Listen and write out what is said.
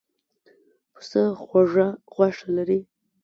پسه خوږه غوښه لري.